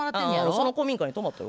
その古民家に泊まったよ。